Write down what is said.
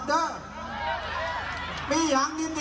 แต่ถ้าเกิดว่าเขาคุก